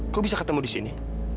kok bisa ketemu disini